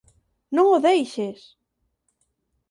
Non o deixes!